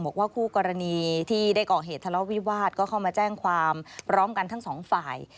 บอกว่าคู่กรณีที่ได้ก่อเหตุทะเลาะวิวาสก็เข้ามาแจ้งความพร้อมกันทั้งสองฝ่าย